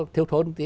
thiếu thốn một tí